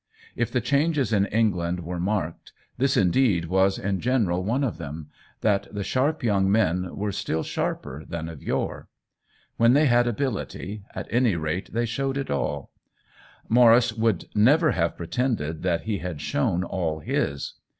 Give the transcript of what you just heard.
If the changes in England were marked, this indeed was in general one of them, that the sharp young men were still sharper than of yore. When they had ability, at any rate they showed it all ; Maurice would never have pretended that he had shown all his.